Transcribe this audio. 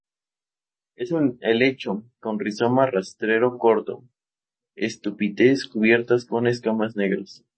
Es un helecho con rizoma rastrero corto, estípites cubiertas de escamas negras.